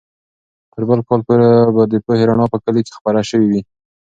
تر بل کال به د پوهې رڼا په کلي کې خپره سوې وي.